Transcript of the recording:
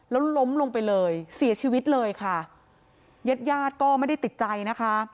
แล้วล้มลงไปเลยเสียชีวิตเลยค่ะญาติญาติก็ไม่ได้ติดใจนะคะ